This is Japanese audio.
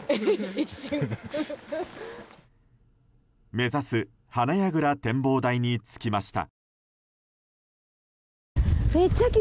目指す花矢倉展望台に着きました。